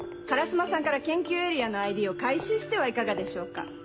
烏丸さんから研究エリアのＩＤを回収してはいかがでしょうか？